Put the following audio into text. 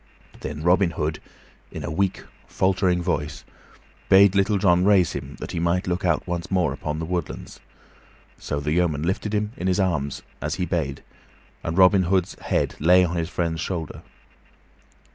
Then Robin Hood, in a weak, faltering voice, bade Little John raise him that he might look out once more upon the woodlands; so the yeoman lifted him in his arms, as he bade, and Robin Hood's head lay on his friend's shoulder.